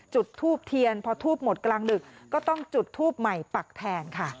จุดทูบเทียนพอทูบหมดกลางดึกก็ต้องจุดทูบใหม่ปักแทนค่ะ